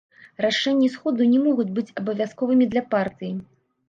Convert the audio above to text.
Рашэнні сходу не могуць быць абавязковымі для партыі.